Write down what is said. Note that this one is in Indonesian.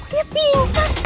kok nyepi lupa